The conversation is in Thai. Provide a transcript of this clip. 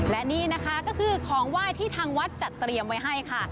และนี่นะคะก็คือของไหว้ที่ทางวัดจัดเตรียมไว้ให้ค่ะ